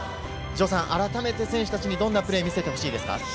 あらためて選手たちにどんなプレー、見せてほしいですか。